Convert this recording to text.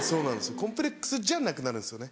コンプレックスじゃなくなるんですよね。